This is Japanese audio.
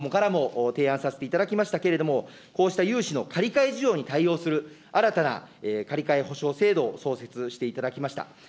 そこで今回、私どもからも提案させていただきましたけれども、こうした融資の借り換え需要に対応する新たな借り換え保証制度を創設していただきました。